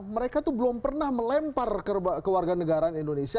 mereka tuh belum pernah melempar ke warga negara indonesia